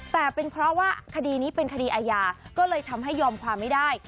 แต่เป็นเพราะว่าคดีนี้เป็นคดีอาญาก็เลยทำให้ยอมความไม่ได้